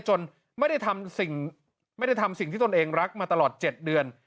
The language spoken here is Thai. จนไม่ได้ทำสิ่งที่ตนเองรักมาตลอด๗เดือน